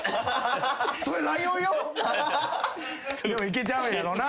でもいけちゃうんやろうな。